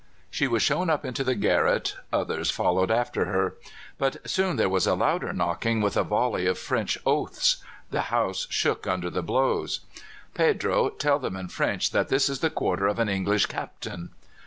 She was shown up into the garret. Others followed after her. But soon there was a louder knocking, with a volley of French oaths. The house shook under the blows. "Pedro, tell them in French that this is the quarter of an English Captain."